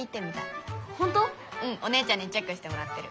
うんお姉ちゃんにチェックしてもらってる。